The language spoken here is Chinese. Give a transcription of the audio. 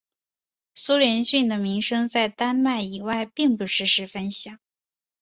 苏连逊的名声在丹麦以外并不是十分响。